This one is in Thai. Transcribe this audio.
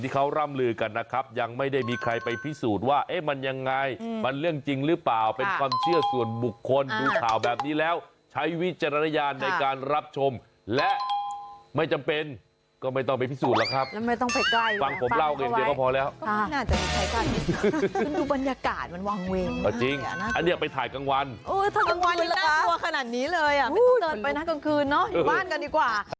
กลายกลางวันอุ๊ยขนาดนี้เลยอ่ะไม่ต้องเดินไปนั้นกลางคืนเนอะอยู่บ้านกันดีกว่า